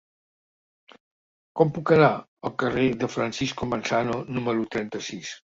Com puc anar al carrer de Francisco Manzano número trenta-sis?